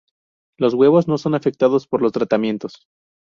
Los huevos no son afectados por los tratamientos.